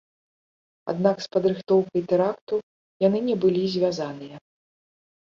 Аднак з падрыхтоўкай тэракту яны не былі звязаныя.